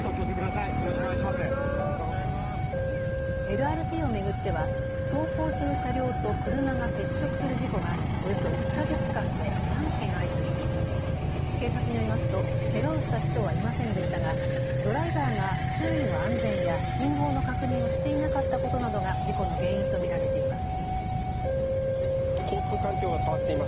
ＬＲＴを巡っては走行する車両と車が接触する事故がおよそ１か月間で３件相次ぎ警察によりますとけがをした人はいませんでしたがドライバーが周囲の安全や信号の確認をしていなかったことなどが事故の原因と見られています。